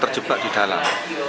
terjebak di dalam